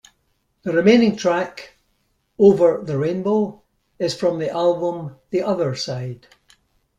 The remaining track, "Over the Rainbow", is from the album "The Other Side".